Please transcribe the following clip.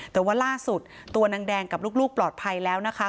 แต่ว่าล่าสุดตัวนางแดงกับลูกปลอดภัยแล้วนะคะ